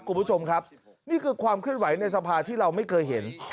คุณผู้ชมครับนี่คือความเคลื่อนไหวในสภาที่เราไม่เคยเห็น